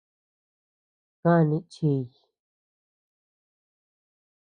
Kani chiy.